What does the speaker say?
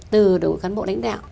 từ đồng hồ cán bộ lãnh đạo